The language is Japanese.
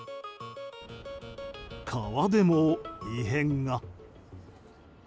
川でも、異変が。